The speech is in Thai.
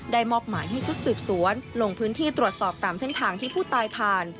มอบหมายให้ชุดสืบสวนลงพื้นที่ตรวจสอบตามเส้นทางที่ผู้ตายผ่าน